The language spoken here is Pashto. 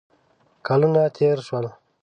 کلونه تېر شول.